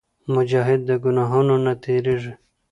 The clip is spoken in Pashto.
مجاهد د ګناهونو نه تېرېږي.